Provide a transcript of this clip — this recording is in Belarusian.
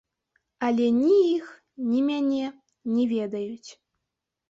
Але ні іх, ні мяне не ведаюць.